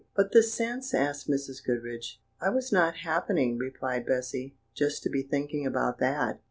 "But the sense?" asked Mrs. Goodriche. "I was not happening," replied Bessy, "just to be thinking about that.